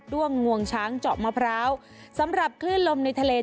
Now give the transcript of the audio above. ้วงงวงช้างเจาะมะพร้าวสำหรับคลื่นลมในทะเล